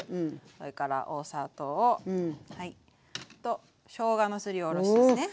それからお砂糖。としょうがのすりおろしですね。